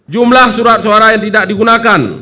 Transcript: jumlah surat suara yang tidak digunakan